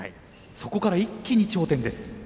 そこから一気に頂点です。